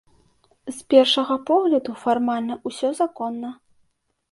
З першага погляду, фармальна ўсё законна.